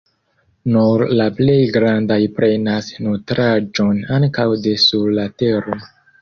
Nur la plej grandaj prenas nutraĵon ankaŭ de sur la tero.